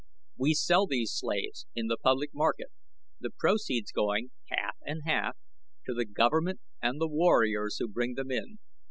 We sell these slaves in the public market, the proceeds going, half and half, to the government and the warriors who bring them in.